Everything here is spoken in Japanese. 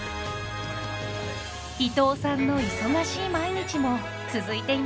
伊藤さんの忙しい毎日も続いています。